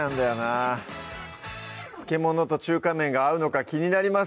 漬け物と中華麺が合うのか気になります